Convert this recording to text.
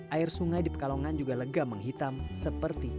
air sungai di pekalongan juga lega menghitam seperti